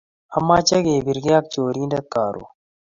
amache kepirkee ak chorindet karun